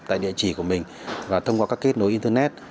tại địa chỉ của mình và thông qua các kết nối internet